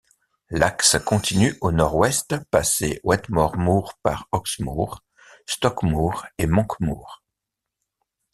L'Axe continue au nord-ouest passé Wedmore Moor par Oxmoor, Stoke Moor et Monk Moor.